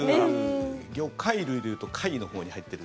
魚介類でいうと貝のほうに入ってる。